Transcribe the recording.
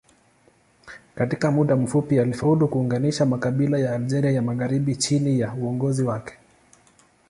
Katika muda mfupi alifaulu kuunganisha makabila ya Algeria ya magharibi chini ya uongozi wake.